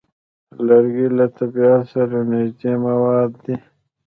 لرګی له طبیعت سره نږدې مواد دي.